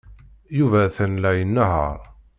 Yuba atan la inehheṛ.